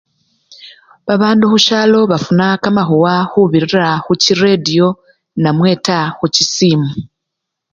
Babandu khusyalo bafuna kamakhuwa khubirira khuchiretiyo namwe taa khuchisimu.